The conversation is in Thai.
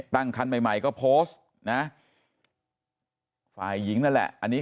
ตั้งคำใหม่โพสต์ฝ่ายหญิงนั่นแหละ